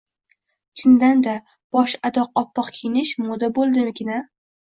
«Chindan-da, bosh-adoq oppoq kiyinish... moda bo‘ldimikin-a?»